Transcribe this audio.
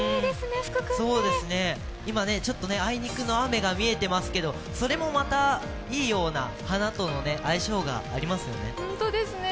今、あいにくの雨が見えていますけども、それもまたいいような、花との相性がありますよね。